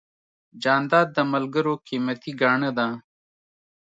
جانداد د ملګرو قیمتي ګاڼه ده.